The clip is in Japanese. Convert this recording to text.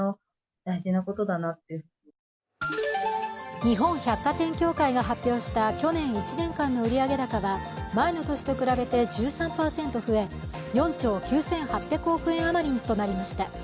日本百貨店協会が発表した去年１年間の売上高は前の年と比べて１３％増え、４兆９８００億円余りとなりました。